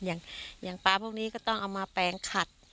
อย่างปลาพวกนี้ก็ต้องเอามาแปลงขัด